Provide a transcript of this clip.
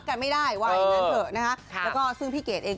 การไม่ได้คิดว่าไอ้งั้นเผอะนะครับซึ่งพี่เกดเอง